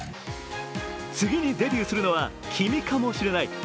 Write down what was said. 次にデビューするのは、君かもしれない。